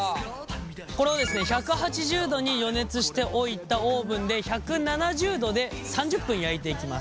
これをですね１８０度に予熱しておいたオーブンで１７０度で３０分焼いていきます。